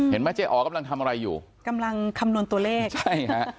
เห็นไหมเจ๊อ๋อกำลังทำอะไรอยู่กำลังคำนวณตัวเลขใช่ฮะ